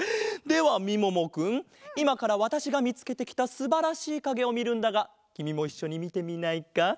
ではみももくんいまからわたしがみつけてきたすばらしいかげをみるんだがきみもいっしょにみてみないか？